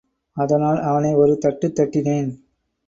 அதனால் அவனை ஒரு தட்டு தட்டினேன்.